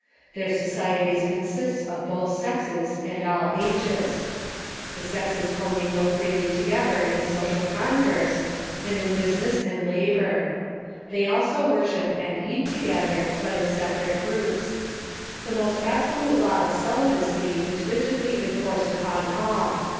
Their societies consist of both sexes and all ages. The COMMUNISTIC CHURCHES 581 sexes commingle freely together in social converse, and in business and labor. They also worship and eat together, but in separate groups. The most absolute law of celibacy is rig idly enfoi'ced upon all.